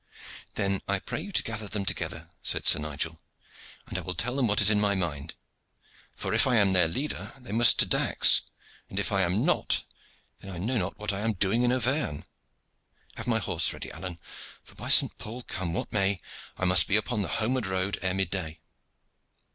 "Then I pray you to gather them together," said Sir Nigel, "and I will tell them what is in my mind; for if I am their leader they must to Dax, and if I am not then I know not what I am doing in Auvergne. Have my horse ready, Alleyne; for, by St. Paul! come what may, I must be upon the homeward road ere mid day."